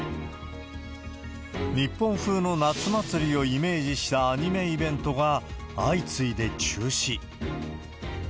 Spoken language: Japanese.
日本風の夏祭りをイメージしたアニメイベントが相次いで中止。